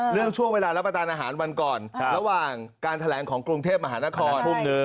เรื่องช่วงเวลารับประตานอาหารวันก่อนระหว่างการแถลงของกรุงเทพมหานคร